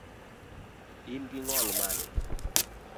Ingi ng’ol mane?